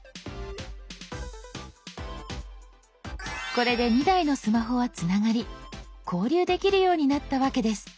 これで２台のスマホはつながり交流できるようになったわけです。